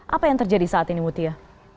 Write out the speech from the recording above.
apa yang terjadi saat ini mutia